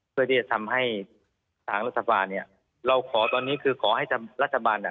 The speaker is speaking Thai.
เพื่อที่จะทำให้ทางรัฐบาลเนี่ยเราขอตอนนี้คือขอให้ทำรัฐบาลอ่ะ